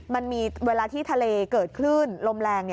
มันมีเวลาที่ทะเลเกิดคลื่นลมแรง